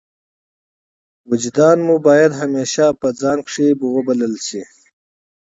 وجدان مو باید همېشه په ځان کښي وبلل سي.